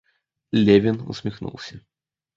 Левин усмехнулся.